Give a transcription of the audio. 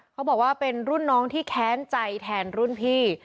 เขาบอกว่าเป็นรุ่นน้องที่แค้นใจแทนรุ่นพี่